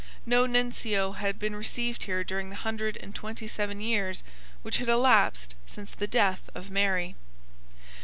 No Nuncio had been received here during the hundred and twenty seven years which had elapsed since the death of Mary.